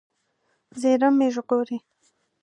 زېرمې ژغورئ.